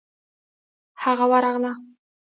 هغه ورغله.